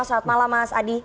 selamat malam mas adi